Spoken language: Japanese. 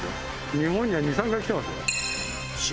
日本には２３回来てますよ。